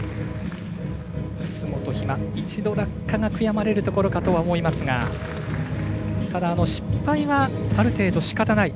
楠元妃真、一度落下が悔やまれるところかと思いますがただ失敗は、ある程度しかたない。